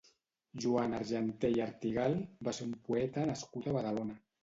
Joan Argenté i Artigal va ser un poeta nascut a Badalona.